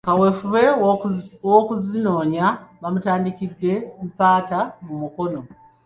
Kaweefube w'okuzinoonya bamutandikidde Mpatta mu Mukono .